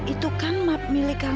itu kan map milik camilla